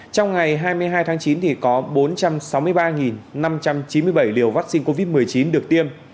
trong ngày hai mươi hai tháng chín có bốn trăm sáu mươi ba năm trăm chín mươi bảy liều vaccine covid một mươi chín được tiêm